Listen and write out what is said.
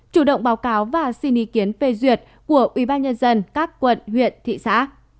chủ động báo cáo và xin ý kiến phê duyệt của ubnd các quận huyện thị xã